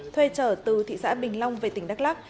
thuê trở từ thị xã bình long về tỉnh đắk lắc